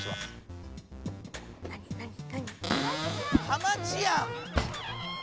ハマチやん！